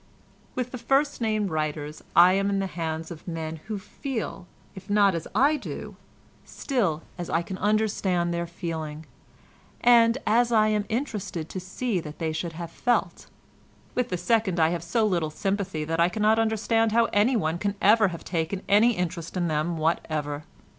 "With the first named writers I am in the hands of men who feel, if not as I do, still as I can understand their feeling, and as I am interested to see that they should have felt; with the second I have so little sympathy that I cannot understand how anyone can ever have taken any interest in them whatever.